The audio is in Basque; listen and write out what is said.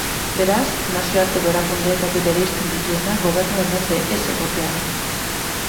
Beraz, nazioarteko erakundeetatik bereizten dituena gobernuen mende ez egotea da.